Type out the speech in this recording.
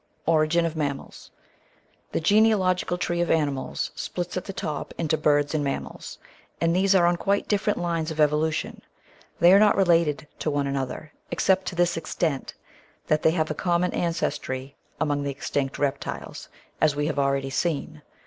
Origin of Mammals The genealogical tree of animals splits at the top into Birds and Mammals, and these are on quite di£ferent lines of evolution. They are not related to one another, except to this extent, that they have a common ancestry among the extinct Reptiles, as we have already seen.